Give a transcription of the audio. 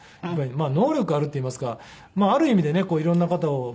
能力があるっていいますかある意味でね色んな方を楽しませる。